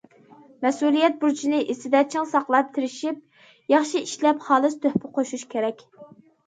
مەسئۇلىيەت بۇرچىنى ئېسىدە چىڭ ساقلاپ، تىرىشىپ ياخشى ئىشلەپ، خالىس تۆھپە قوشۇش كېرەك.